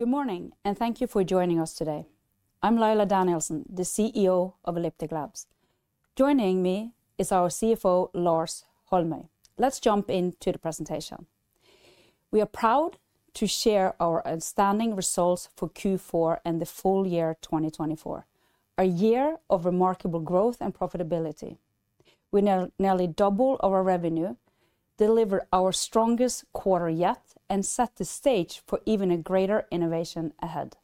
Good morning, and thank you for joining us today. I'm Laila Danielsen, the CEO of Elliptic Labs. Joining me is our CFO, Lars Holmøy. Let's jump into the presentation. We are proud to share our outstanding results for Q4 and the full year 2024, a year of remarkable growth and profitability. We now nearly double our revenue, deliver our strongest quarter yet, and set the stage for even greater innovation ahead.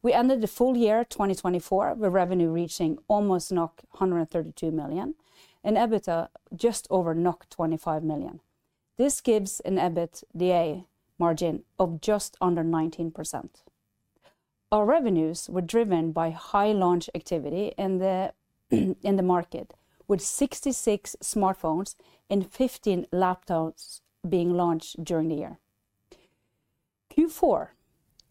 We ended the full year 2024 with revenue reaching almost 132 million and EBITDA just over 25 million. This gives an EBITDA margin of just under 19%. Our revenues were driven by high launch activity in the market, with 66 smartphones and 15 laptops being launched during the year. Q4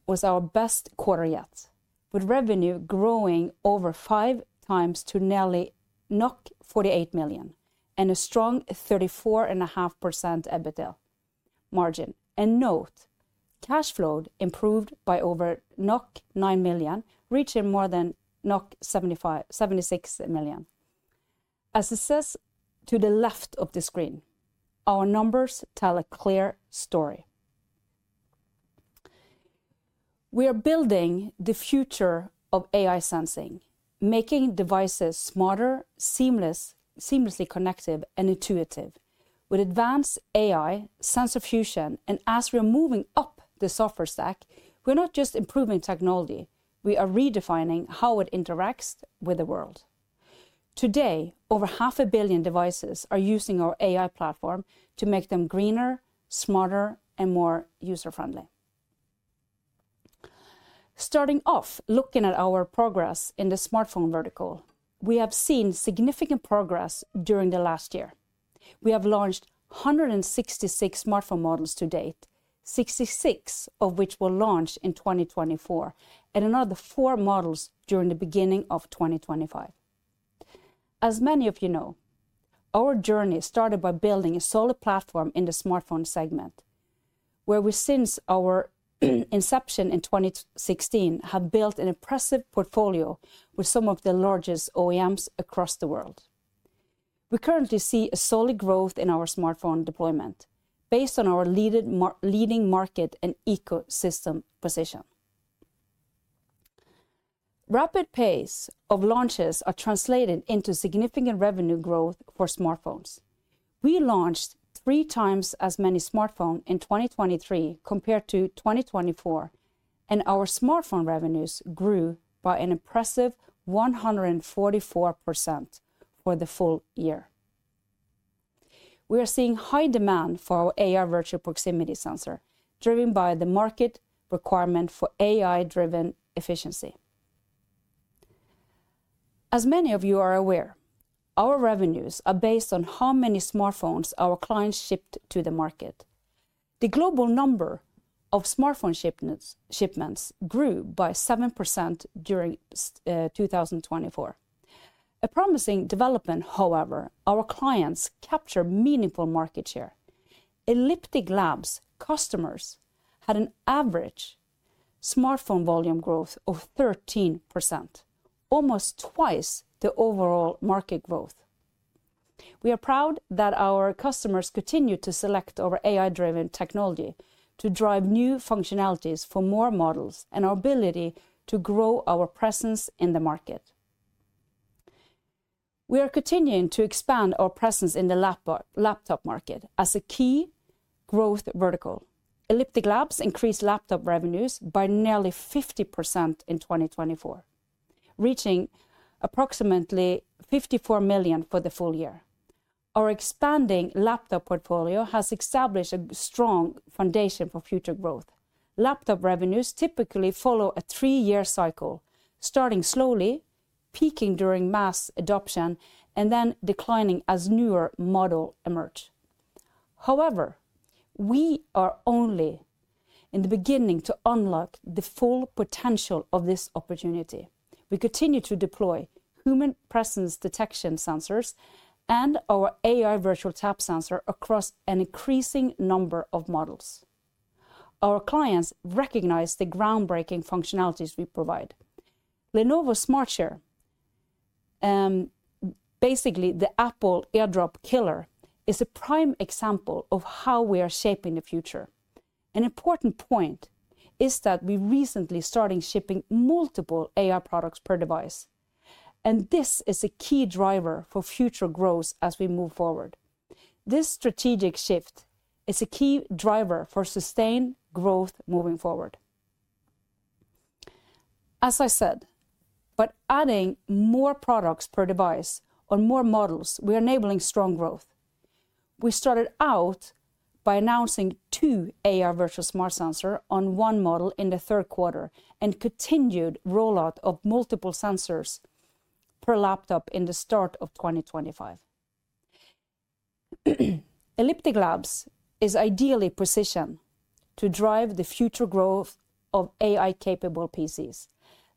was our best quarter yet, with revenue growing over five times to nearly 48 million and a strong 34.5% EBITDA margin. Note, cash flow improved by over 9 million, reaching more than 76 million. As it says to the left of the screen, our numbers tell a clear story. We are building the future of AI sensing, making devices smarter, seamlessly connected, and intuitive with advanced AI sensor fusion. As we are moving up the software stack, we're not just improving technology; we are redefining how it interacts with the world. Today, over half a billion devices are using our AI platform to make them greener, smarter, and more user-friendly. Starting off, looking at our progress in the smartphone vertical, we have seen significant progress during the last year. We have launched 166 smartphone models to date, 66 of which were launched in 2024, and another four models during the beginning of 2025. As many of you know, our journey started by building a solid platform in the smartphone segment, where we since our inception in 2016 have built an impressive portfolio with some of the largest OEMs across the world. We currently see a solid growth in our smartphone deployment based on our leading market and Ecosystem position. Rapid pace of launches are translated into significant revenue growth for smartphones. We launched three times as many smartphones in 2023 compared to 2024, and our smartphone revenues grew by an impressive 144% for the full year. We are seeing high demand for our AI Virtual Proximity Sensor, driven by the market requirement for AI-driven efficiency. As many of you are aware, our revenues are based on how many smartphones our clients shipped to the market. The global number of smartphone shipments grew by 7% during 2024. A promising development, however, our clients capture meaningful market share. Elliptic Labs' customers had an average smartphone volume growth of 13%, almost twice the overall market growth. We are proud that our customers continue to select our AI-driven technology to drive new functionalities for more models and our ability to grow our presence in the market. We are continuing to expand our presence in the laptop market as a key growth vertical. Elliptic Labs increased laptop revenues by nearly 50% in 2024, reaching approximately 54 million for the full year. Our expanding laptop portfolio has established a strong foundation for future growth. Laptop revenues typically follow a three-year cycle, starting slowly, peaking during mass adoption, and then declining as newer models emerge. However, we are only in the beginning to unlock the full potential of this opportunity. We continue to deploy Human Presence Detection Sensors and our AI Virtual Tap Sensor across an increasing number of models. Our clients recognize the groundbreaking functionalities we provide. Lenovo SmartShare, basically the Apple AirDrop killer, is a prime example of how we are shaping the future. An important point is that we recently started shipping multiple AI products per device, and this is a key driver for future growth as we move forward. This strategic shift is a key driver for sustained growth moving forward. As I said, by adding more products per device or more models, we are enabling strong growth. We started out by announcing two AI Virtual Smart Sensors on one model in the third quarter and continued rollout of multiple sensors per laptop in the start of 2025. Elliptic Labs is ideally positioned to drive the future growth of AI-capable PCs,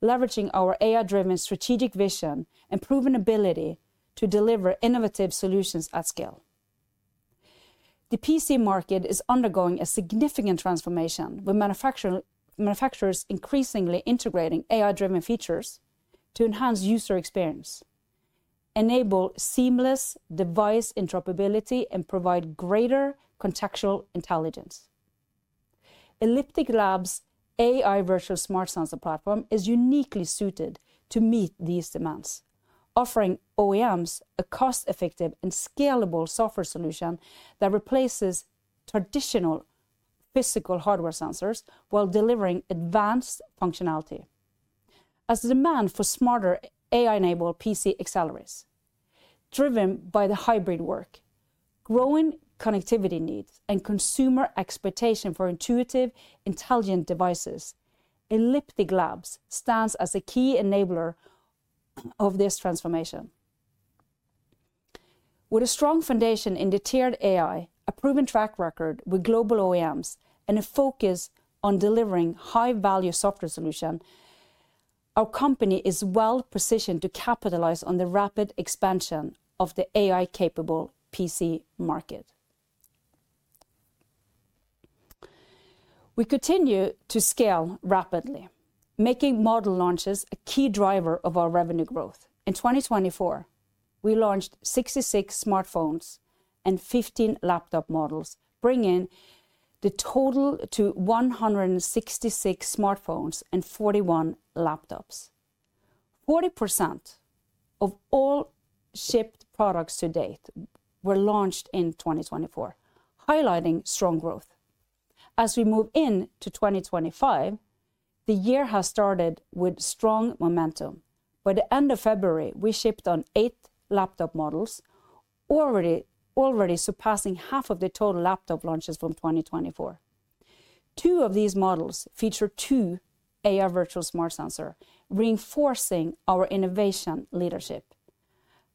leveraging our AI-driven strategic vision and proven ability to deliver innovative solutions at scale. The PC market is undergoing a significant transformation, with manufacturers increasingly integrating AI-driven features to enhance user experience, enable seamless device interoperability, and provide greater contextual intelligence. Elliptic Labs' AI Virtual Smart Sensor Platform is uniquely suited to meet these demands, offering OEMs a cost-effective and scalable Software Solution that replaces traditional physical hardware sensors while delivering advanced functionality as the demand for smarter AI-enabled PC accelerates. Driven by the hybrid work, growing connectivity needs, and consumer expectation for intuitive, intelligent devices, Elliptic Labs stands as a key enabler of this transformation. With a strong foundation in AI, a proven track record with global OEMs, and a focus on delivering high-value software solutions, our company is well positioned to capitalize on the rapid expansion of the AI-capable PC market. We continue to scale rapidly, making model launches a key driver of our revenue growth. In 2024, we launched 66 smartphones and 15 laptop models, bringing the total to 166 smartphones and 41 laptops. 40% of all shipped products to date were launched in 2024, highlighting strong growth. As we move into 2025, the year has started with strong momentum. By the end of February, we shipped on eight laptop models, already surpassing half of the total laptop launches from 2024. Two of these models feature two AI Virtual Smart Sensors, reinforcing our innovation leadership.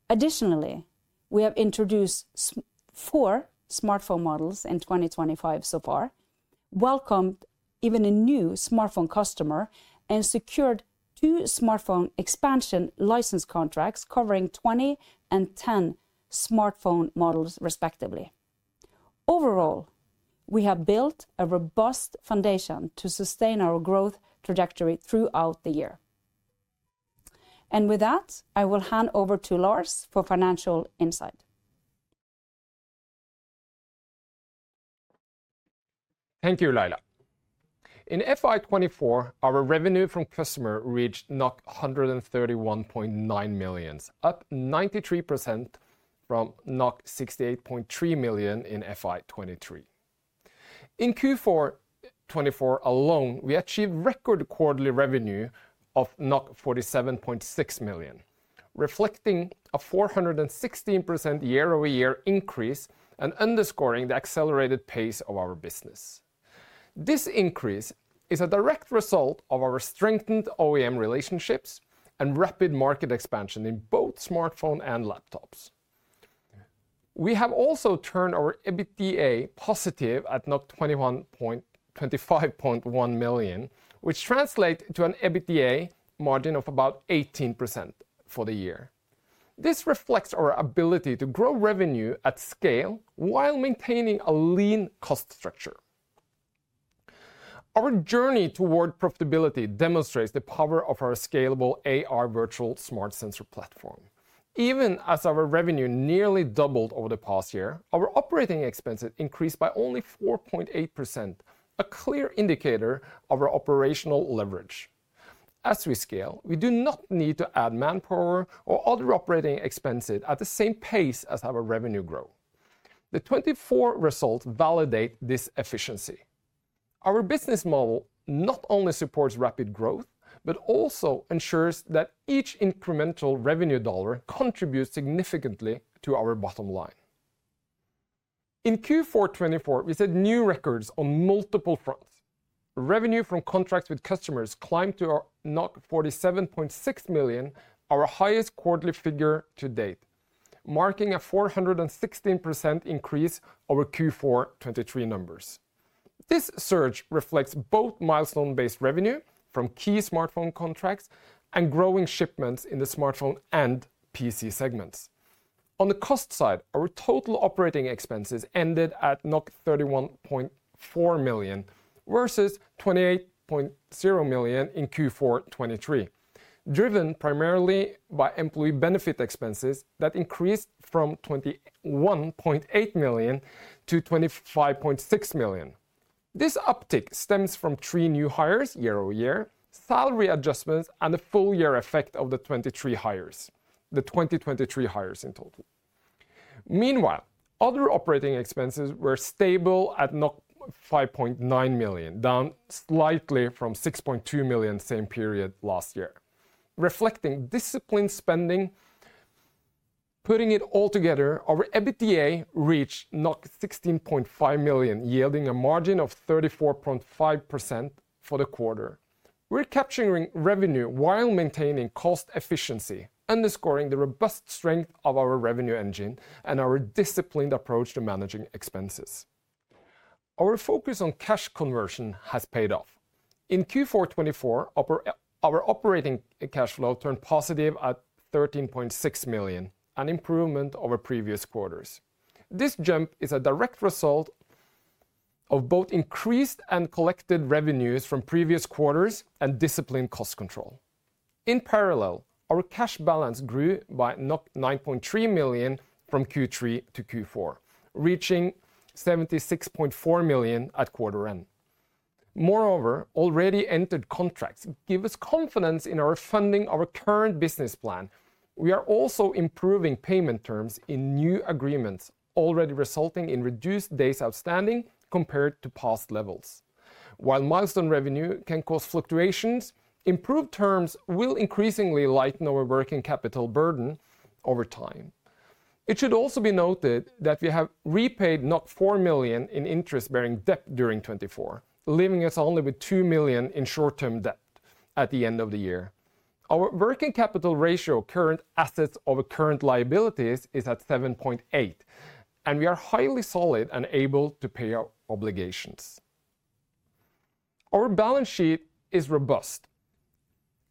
Additionally, we have introduced four Smartphone Models in 2025 so far, welcomed even a new smartphone customer, and secured two smartphone expansion license contracts covering 20 and 10 Smartphone Models, respectively. Overall, we have built a robust foundation to sustain our growth trajectory throughout the year. With that, I will hand over to Lars for financial insight. Thank you, Laila. In FY 2024, our revenue from customers reached 131.9 million, up 93% from 68.3 million in FY 2023. In Q4 2024 alone, we achieved record quarterly revenue of 47.6 million, reflecting a 416% Year-over-Year increase and underscoring the accelerated pace of our business. This increase is a direct result of our strengthened OEM relationships and rapid market expansion in both smartphones and laptops. We have also turned our EBITDA positive at 25.1 million, which translates to an EBITDA margin of about 18% for the year. This reflects our ability to grow revenue at scale while maintaining a lean cost structure. Our journey toward profitability demonstrates the power of our scalable AI Virtual Smart Sensor Platform. Even as our revenue nearly doubled over the past year, our operating expenses increased by only 4.8%, a clear indicator of our operational leverage. As we scale, we do not need to add manpower or other operating expenses at the same pace as our revenue growth. The 2024 results validate this efficiency. Our business model not only supports rapid growth, but also ensures that each incremental revenue dollar contributes significantly to our bottom line. In Q4 2024, we set new records on multiple fronts. Revenue from contracts with customers climbed to 47.6 million, our highest quarterly figure to date, marking a 416% increase over Q4 2023 numbers. This surge reflects both milestone-based revenue from key smartphone contracts and growing shipments in the smartphone and PC segments. On the cost side, our total operating expenses ended at 31.4 million versus 28.0 million in Q4 2023, driven primarily by employee benefit expenses that increased from 21.8 million to 25.6 million. This uptick stems from three new hires year-over-year, salary adjustments, and the full-year effect of the 2023 hires in total. Meanwhile, other operating expenses were stable at 5.9 million, down slightly from 6.2 million same period last year, reflecting disciplined spending. Putting it all together, our EBITDA reached 16.5 million, yielding a margin of 34.5% for the quarter. We're capturing revenue while maintaining cost efficiency, underscoring the robust strength of our revenue engine and our disciplined approach to managing expenses. Our focus on cash conversion has paid off. In Q4 2024, our operating cash flow turned positive at 13.6 million, an improvement over previous quarters. This jump is a direct result of both increased and collected revenues from previous quarters and disciplined cost control. In parallel, our cash balance grew by 9.3 million from Q3 to Q4, reaching 76.4 million at quarter end. Moreover, already entered contracts give us confidence in our funding of our current business plan. We are also improving payment terms in new agreements, already resulting in reduced days outstanding compared to past levels. While milestone revenue can cause fluctuations, improved terms will increasingly lighten our working capital burden over time. It should also be noted that we have repaid 4 million in interest-bearing debt during 2024, leaving us only with 2 million in short-term debt at the end of the year. Our working capital ratio, current assets over current liabilities, is at 7.8, and we are highly solid and able to pay our obligations. Our balance sheet is robust.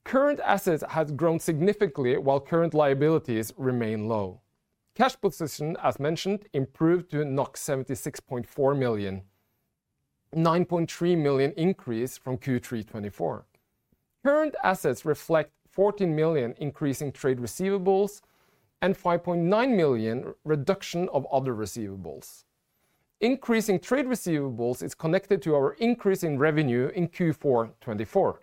Current assets have grown significantly while current liabilities remain low. Cash position, as mentioned, improved to 76.4 million, a 9.3 million increase from Q3 2024. Current assets reflect 14 million increase in trade receivables and 5.9 million reduction of other receivables. Increasing trade receivables is connected to our increase in revenue in Q4 2024.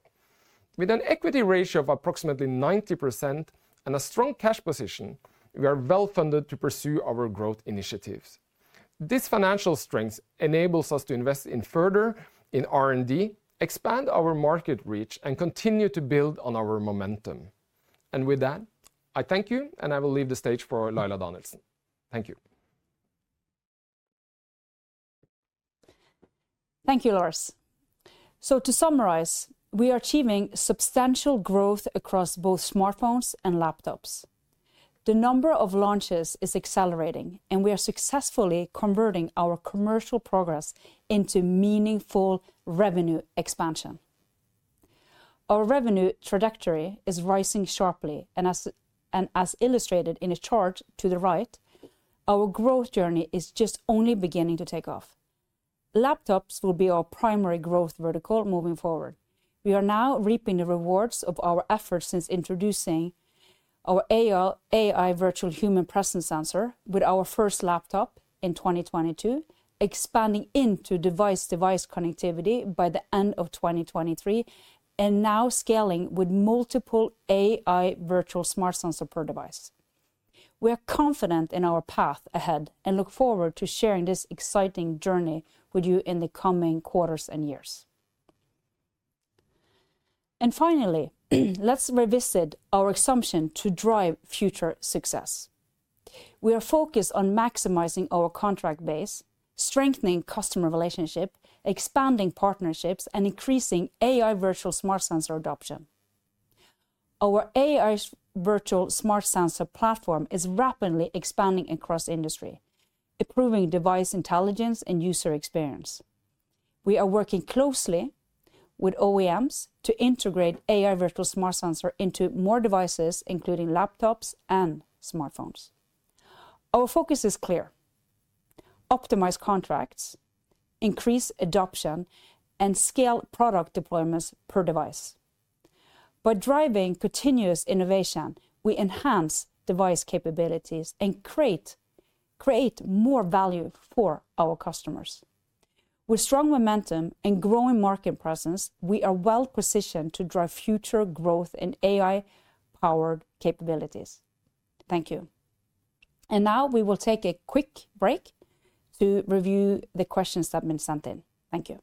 With an equity ratio of approximately 90% and a strong cash position, we are well-funded to pursue our growth initiatives. This financial strength enables us to invest further in R&D, expand our market reach, and continue to build on our momentum. I thank you, and I will leave the stage for Laila Danielsen. Thank you. Thank you, Lars. To summarize, we are achieving substantial growth across both Smartphones and Laptops. The number of launches is accelerating, and we are successfully converting our commercial progress into meaningful revenue expansion. Our revenue trajectory is rising sharply, and as illustrated in a chart to the right, our growth journey is just only beginning to take off. Laptops will be our primary growth vertical moving forward. We are now reaping the rewards of our efforts since introducing our AI Virtual Human Presence Sensor with our first laptop in 2022, expanding into device-to-device connectivity by the end of 2023, and now scaling with multiple AI Virtual Smart Sensors per device. We are confident in our path ahead and look forward to sharing this exciting journey with you in the coming quarters and years. Finally, let's revisit our assumption to drive future success. We are focused on maximizing our contract base, strengthening customer relationships, expanding partnerships, and increasing AI Virtual Smart Sensor adoption. Our AI Virtual Smart Sensor Platform is rapidly expanding across the industry, improving device intelligence and user experience. We are working closely with OEMs to integrate AI virtual smart sensors into more devices, including laptops and smartphones. Our focus is clear: optimize contracts, increase adoption, and scale product deployments per device. By driving continuous innovation, we enhance device capabilities and create more value for our customers. With strong momentum and growing market presence, we are well-positioned to drive future growth in AI-powered capabilities. Thank you. Now we will take a quick break to review the questions that have been sent in. Thank you.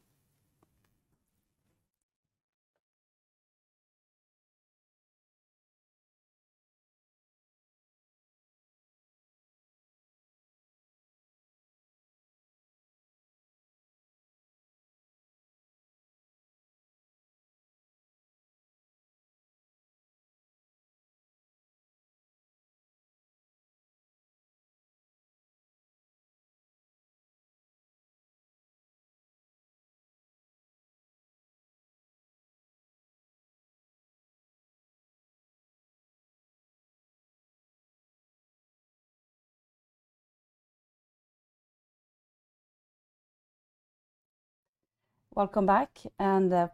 Welcome back.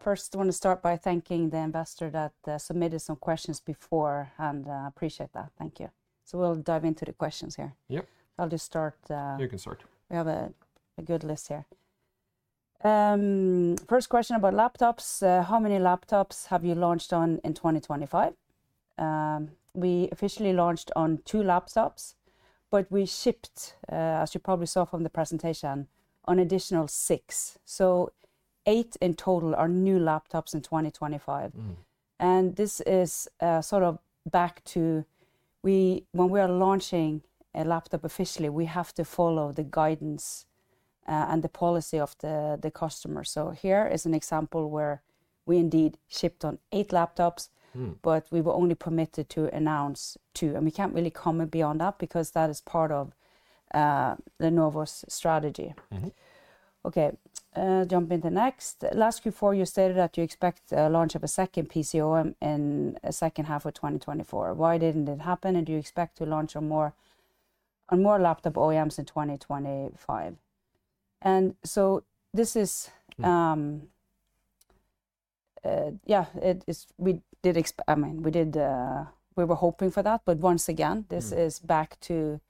First, I want to start by thanking the investor that submitted some questions before, and I appreciate that. Thank you. We will dive into the questions here. Yep. I'll just start. You can start. We have a good list here. First question about laptops. How many laptops have you launched on in 2025? We officially launched on two laptops, but we shipped, as you probably saw from the presentation, an additional six. Eight in total are new laptops in 2025. This is sort of back to when we are launching a laptop officially, we have to follow the guidance and the policy of the customer. Here is an example where we indeed shipped on eight laptops, but we were only permitted to announce two. We can't really comment beyond that because that is part of Lenovo's strategy. Okay, jumping to the next. Last Q4, you stated that you expect the launch of a second PC OEM in the second half of 2024. Why didn't it happen? Do you expect to launch on more laptop OEMs in 2025? This is, yeah, we did expect, I mean, we were hoping for that, but once again, this is back to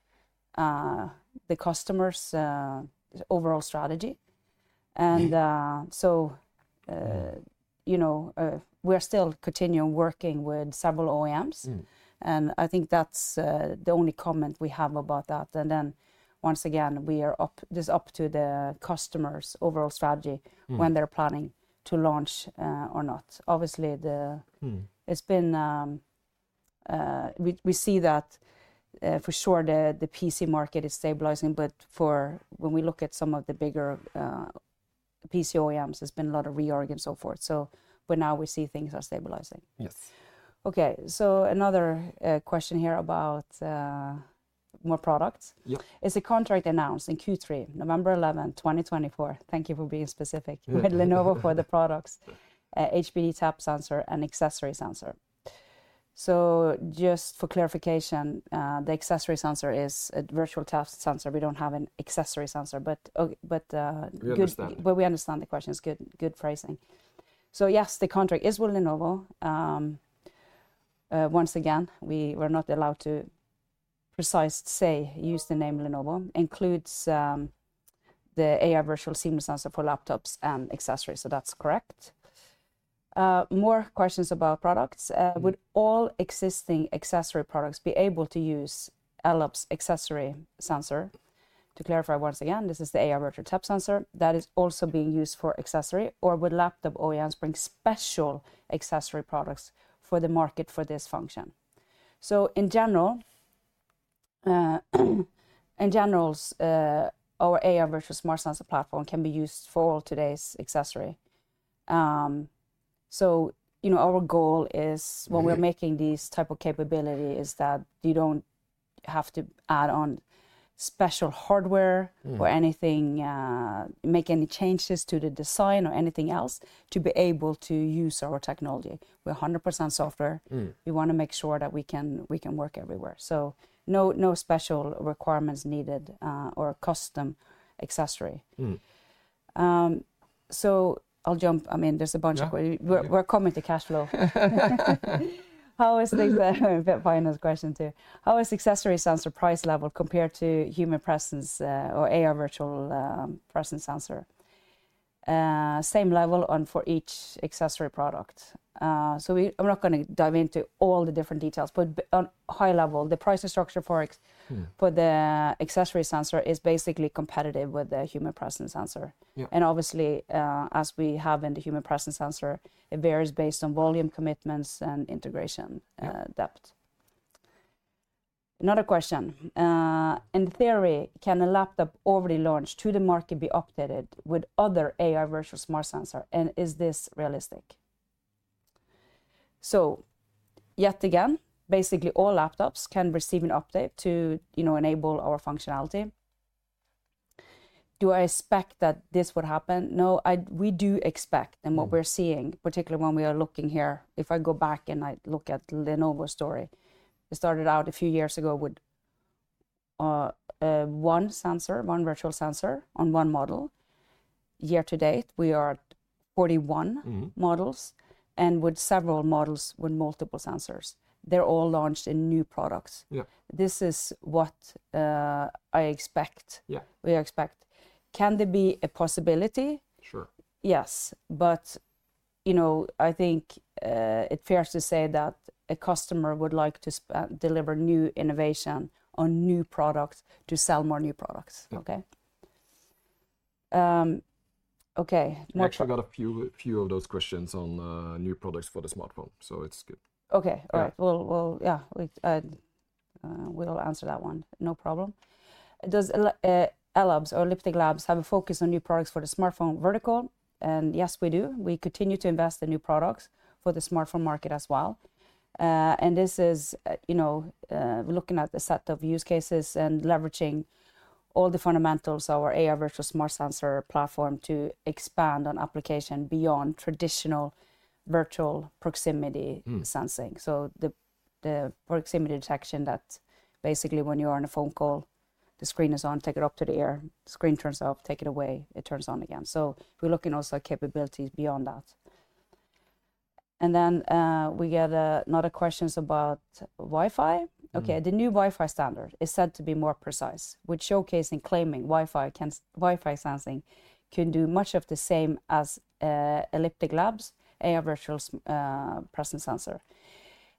the customer's overall strategy. We are still continuing working with several OEMs. I think that's the only comment we have about that. Once again, this is up to the customer's overall strategy when they're planning to launch or not. Obviously, we see that for sure the PC market is stabilizing, but when we look at some of the bigger PC OEMs, there's been a lot of so forth. Now we see things are stabilizing. Yes. Okay. Another question here about more products. Yep. Is the contract announced in Q3, November 11, 2024? Thank you for being specific with Lenovo for the products, HPD tap sensor and accessory sensor. Just for clarification, the accessory sensor is a virtual tap sensor. We do not have an accessory sensor, but. We understand. We understand the question. It's good phrasing. Yes, the contract is with Lenovo. Once again, we were not allowed to precisely say, use the name Lenovo. Includes the AI Virtual SIM sensor for laptops and accessories. That's correct. More questions about products. Would all existing accessory products be able to use Elliptic Labs accessory sensor? To clarify once again, this is the AI Virtual Tap Sensor that is also being used for accessory, or would laptop OEMs bring special accessory products for the market for this function? In general, our AI Virtual Smart Sensor Platform can be used for all today's accessory. Our goal is when we're making these types of capabilities is that you don't have to add on special hardware or anything, make any changes to the design or anything else to be able to use our technology. We're 100% software. We want to make sure that we can work everywhere. No special requirements needed or custom accessory. I'll jump. I mean, there's a bunch of questions. We're coming to cash flow. How is the final question too? How is accessory sensor price level compared to human presence or AI virtual presence sensor? Same level for each accessory product. I'm not going to dive into all the different details, but on a high level, the pricing structure for the accessory sensor is basically competitive with the human presence sensor. Obviously, as we have in the human presence sensor, it varies based on volume commitments and integration depth. Another question. In theory, can a laptop already launched to the market be updated with other AI virtual smart sensor? Is this realistic? Yet again, basically all laptops can receive an update to enable our functionality. Do I expect that this would happen? No, we do expect. What we're seeing, particularly when we are looking here, if I go back and I look at Lenovo's story, it started out a few years ago with one sensor, one Virtual Sensor on one model. Year to date, we are at 41 models and with several models with multiple sensors. They're all launched in new products. This is what I expect. We expect. Can there be a possibility? Sure. Yes. I think it's fair to say that a customer would like to deliver new innovation on new products to sell more new products. Okay. Okay. I actually got a few of those questions on new products for the Smartphone. So it's good. Okay. All right. Yeah, we'll answer that one. No problem. Does Elliptic Labs have a focus on new products for the smartphone vertical? Yes, we do. We continue to invest in new products for the smartphone market as well. This is looking at the set of use cases and leveraging all the fundamentals of our AI Virtual Smart Sensor Platform to expand on application beyond traditional virtual proximity sensing. The proximity detection that basically when you're on a phone call, the screen is on, take it up to the air, the screen turns up, take it away, it turns on again. We are looking also at capabilities beyond that. We get another question about Wi-Fi. Okay. The new Wi-Fi standard is said to be more precise, which showcasing claiming Wi-Fi sensing can do much of the same as Elliptic Labs' AI virtual presence sensor.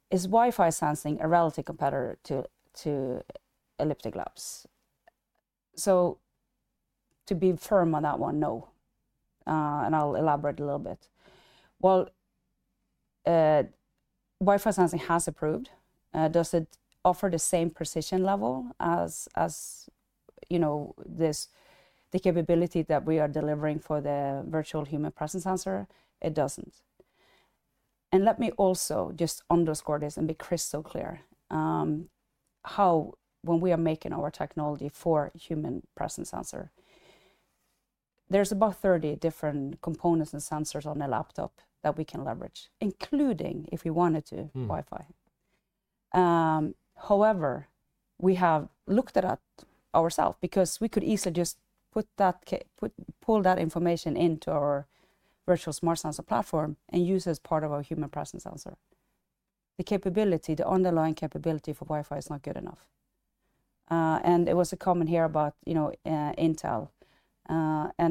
Is Wi-Fi sensing a relative competitor to Elliptic Labs? To be firm on that one, no. I'll elaborate a little bit. Wi-Fi sensing has improved. Does it offer the same precision level as the capability that we are delivering for the virtual human presence sensor? It doesn't. Let me also just underscore this and be crystal clear how when we are making our technology for human presence sensor, there's about 30 different components and sensors on a laptop that we can leverage, including if we wanted to, Wi-Fi. However, we have looked at that ourselves because we could easily just pull that information into our AI Virtual Smart Sensor Platform and use it as part of our Human Presence Detection Sensor. The capability, the underlying capability for Wi-Fi is not good enough. There was a comment here about Intel.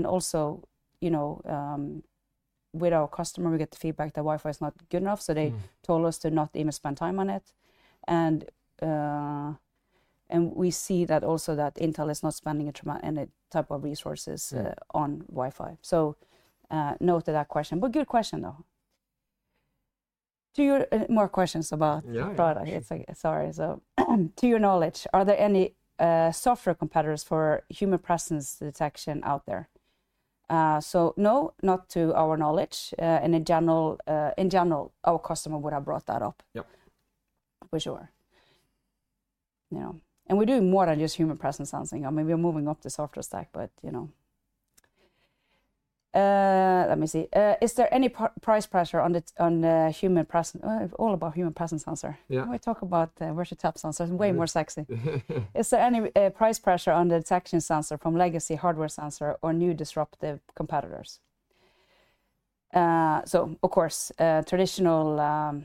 Also, with our customer, we got the feedback that Wi-Fi is not good enough. They told us to not even spend time on it. We see that Intel is not spending any type of resources on Wi-Fi. No to that question. Good question though. To your more questions about product. Yeah. Sorry. To your knowledge, are there any software competitors for human presence detection out there? No, not to our knowledge. In general, our customer would have brought that up. Yep. For sure. We're doing more than just human presence sensing. I mean, we're moving up the software stack, but let me see. Is there any price pressure on the human presence? All about human presence sensor. Yeah. We talk about virtual tap sensors. Way more sexy. Is there any price pressure on the detection sensor from legacy hardware sensor or new disruptive competitors? Of course, traditional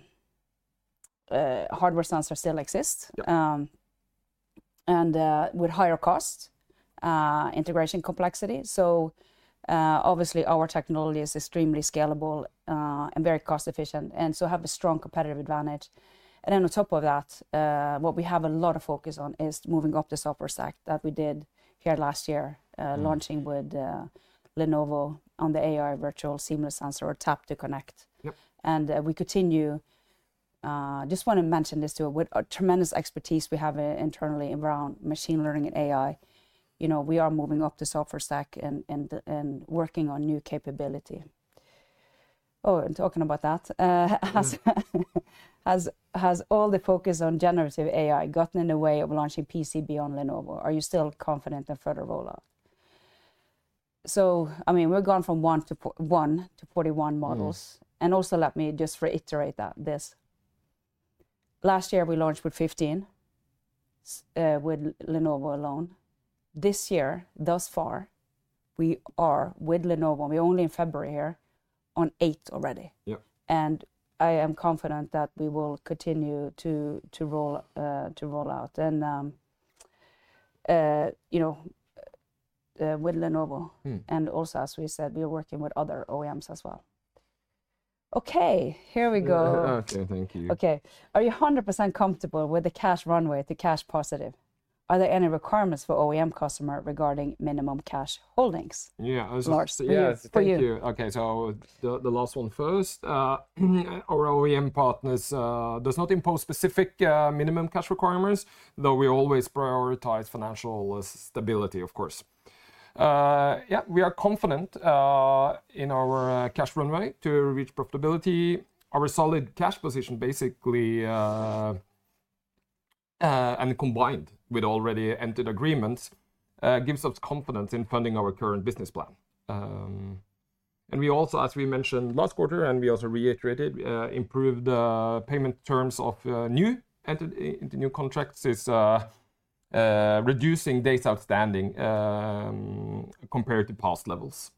hardware sensors still exist and with higher cost, integration complexity. Obviously, our technology is extremely scalable and very cost-efficient and so have a strong competitive advantage. On top of that, what we have a lot of focus on is moving up the software stack that we did here last year, launching with Lenovo on the AI virtual seamless sensor or tap to connect. We continue, just want to mention this too, with tremendous expertise we have internally around machine learning and AI, we are moving up the software stack and working on new capability. Oh, and talking about that, has all the focus on generative AI gotten in the way of launching PC beyond Lenovo? Are you still confident in further rollout? I mean, we've gone from one to 41 models. Let me just reiterate that this last year, we launched with 15 with Lenovo alone. This year, thus far, we are with Lenovo, and we're only in February here on eight already. Yep. I am confident that we will continue to roll out with Lenovo. As we said, we are working with other OEMs as well. Okay. Here we go. Okay. Thank you. Okay. Are you 100% comfortable with the cash runway, the cash positive? Are there any requirements for OEM customers regarding minimum cash holdings? Yeah. Mark. Yes. Thank you. Okay. The last one first. Our OEM partners do not impose specific minimum cash requirements, though we always prioritize financial stability, of course. Yeah, we are confident in our cash runway to reach profitability. Our solid cash position, basically, and combined with already entered agreements, gives us confidence in funding our current business plan. We also, as we mentioned last quarter, and we also reiterated, improved payment terms of new entered new contracts is reducing data outstanding compared to past levels.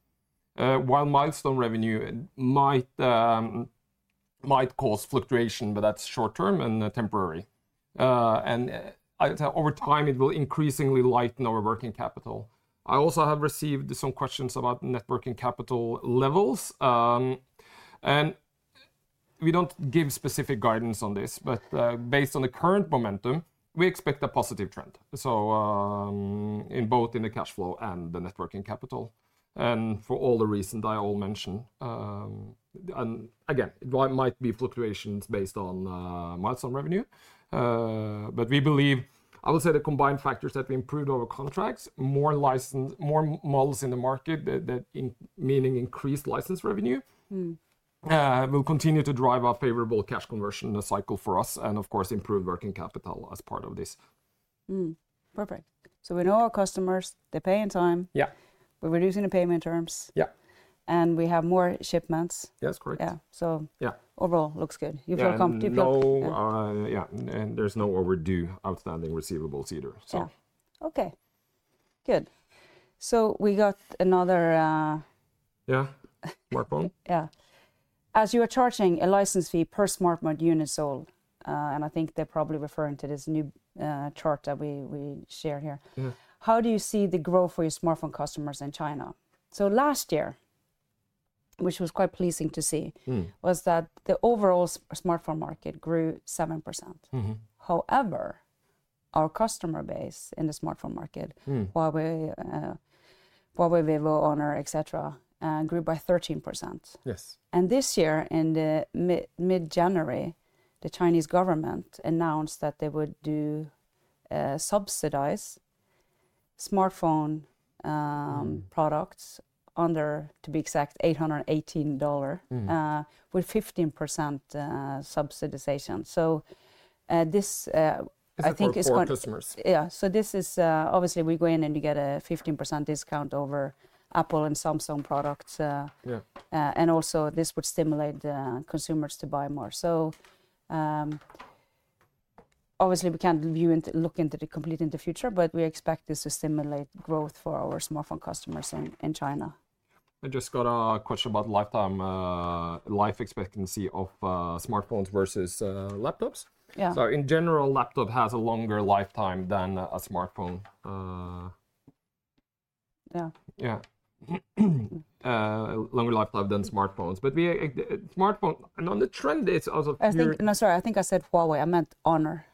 While milestone revenue might cause fluctuation, that is short-term and temporary. Over time, it will increasingly lighten our working capital. I also have received some questions about networking capital levels. We do not give specific guidance on this, but based on the current momentum, we expect a positive trend, in both the cash flow and the networking capital. For all the reasons I all mentioned. Again, there might be fluctuations based on milestone revenue, but we believe, I would say the combined factors that we improved our contracts, more models in the market, meaning increased license revenue, will continue to drive our favorable cash conversion cycle for us and, of course, improve working capital as part of this. Perfect. We know our customers, they're paying time. Yeah. We're reducing the payment terms. Yeah. We have more shipments. Yeah, that's correct. Yeah. So overall, looks good. Yeah. You feel comfortable? Yeah. There is no overdue outstanding receivables either, so. Yeah. Okay. Good. We got another. Yeah. Smartphone? Yeah. As you are charging a license fee per smartphone unit sold, and I think they're probably referring to this new chart that we share here, how do you see the growth for your smartphone customers in China? Last year, which was quite pleasing to see, was that the overall smartphone market grew 7%. However, our customer base in the smartphone market, Huawei, Vivo, Honor, etc., grew by 13%. Yes. This year, in mid-January, the Chinese government announced that they would subsidize smartphone products under, to be exact, $818 with 15% subsidization. I think this is going to. It's for all customers. Yeah. This is obviously, we go in and you get a 15% discount over Apple and Samsung products. Yeah. This would stimulate consumers to buy more. Obviously, we can't look into the complete in the future, but we expect this to stimulate growth for our smartphone customers in China. I just got a question about lifetime life expectancy of smartphones versus laptops. Yeah. In general, laptop has a longer lifetime than a smartphone. Yeah. Yeah. Longer lifetime than smartphones. Smartphone, and on the trend, it's also. No, sorry. I think I said Huawei. I meant Honor.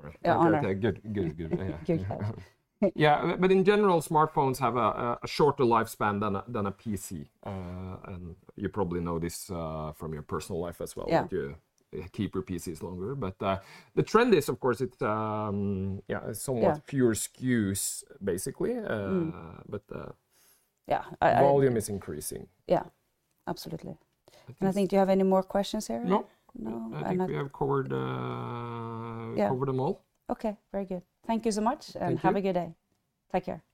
Sorry. Yeah, Honor. Okay. Good, good. Good. Yeah. In general, Smartphones have a shorter lifespan than a PC. You probably know this from your personal life as well. Yeah. That you keep your PCs longer. The trend is, of course, it's. Yeah. Somewhat fewer SKUs, basically. Yeah. Volume is increasing. Yeah. Absolutely. I think, do you have any more questions here? No. No. I think we have covered them all. Yeah. Okay. Very good. Thank you so much. Thank you. Have a good day. Take care.